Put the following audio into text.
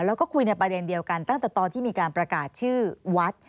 แล้วก็คุยในประเด็นเดียวกันตั้งแต่ตอนที่มีการประกาศชื่อวัด